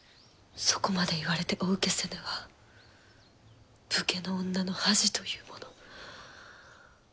そこまで言われてお受けせぬは武家の女の恥というもの。